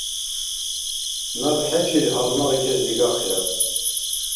Наб хӀечил гьалмагъикес дигахъира.